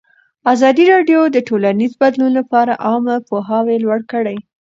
ازادي راډیو د ټولنیز بدلون لپاره عامه پوهاوي لوړ کړی.